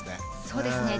そうですね。